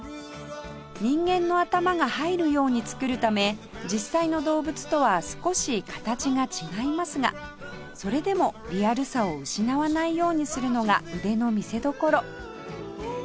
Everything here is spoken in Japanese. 人間の頭が入るように作るため実際の動物とは少し形が違いますがそれでもリアルさを失わないようにするのが腕の見せどころ